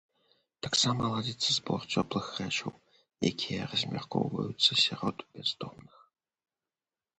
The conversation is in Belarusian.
Таксама ладзіцца збор цёплых рэчаў, якія размяркоўваюцца сярод бяздомных.